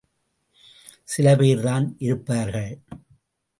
சில பேர்தான் இருப்பார்கள்.